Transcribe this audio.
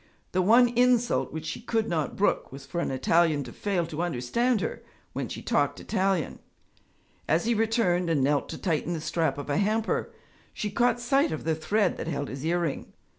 The one insult which she could not brook was for an Italian to fail to understand her when she talked Italian. As he returned and knelt to tighten the strap of a hamper, she caught sight of the thread that held his earring.